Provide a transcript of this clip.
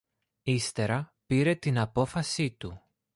Ύστερα πήρε την απόφαση του.